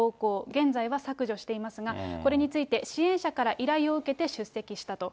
現在は削除していますが、これについて支援者から依頼を受けて出席したと。